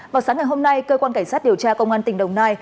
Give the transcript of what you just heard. vào sáng ngày hôm nay cơ quan cảnh sát điều tra công an tỉnh đồng nai